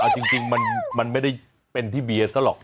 เอาจริงมันไม่ได้เป็นที่เบียร์ซะหรอก